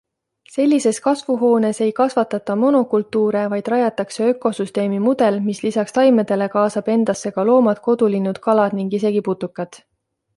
Sellises kasvuhoones ei kasvatata monokultuure, vaid rajatakse ökosüsteemi mudel, mis lisaks taimedele kaasab endasse ka loomad, kodulinnud, kalad ning isegi putukad.